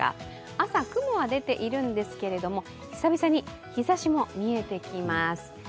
朝、雲は出ているんですけど久々に日ざしも見えてきます。